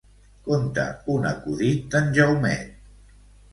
Conta un acudit d'en Jaumet.